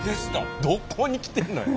どこに来てんのよ。